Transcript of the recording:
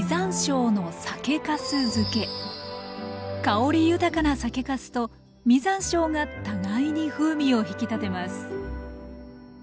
香り豊かな酒かすと実山椒が互いに風味を引き立てます